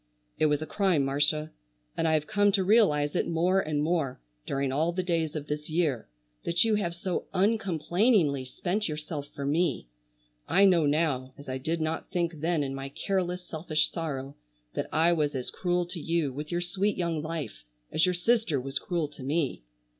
"It was a crime, Marcia, and I have come to realize it more and more during all the days of this year that you have so uncomplainingly spent yourself for me. I know now, as I did not think then in my careless, selfish sorrow, that I was as cruel to you, with your sweet young life, as your sister was cruel to me.